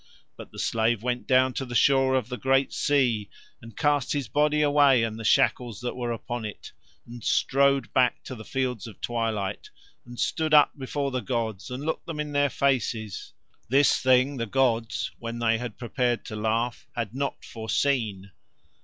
But the slave went down to the shore of the great sea, and cast his body away and the shackles that were upon it, and strode back to the Fields of Twilight and stood up before the gods and looked Them in Their faces. This thing the gods, when They had prepared to laugh, had not foreseen.